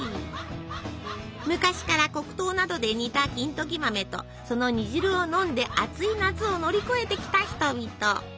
昔から黒糖などで煮た金時豆とその煮汁を飲んで暑い夏を乗り越えてきた人々。